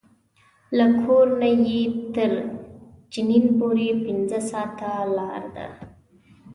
له کور نه یې تر جنین پورې پنځه ساعته لاره ده.